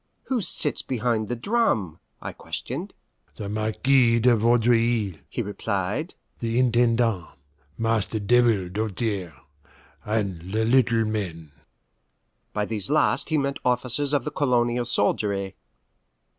"Who sits behind the drum?" I questioned. "The Marquis de Vaudreuil," he replied, "the Intendant, Master Devil Doltaire, and the little men." By these last he meant officers of the colonial soldiery.